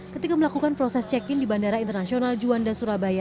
ketika melakukan proses check in di bandara internasional juanda surabaya